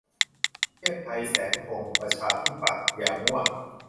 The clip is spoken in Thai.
เทพไท เสนพงศ์ ประชาธิปัตย์ อย่ามั่ว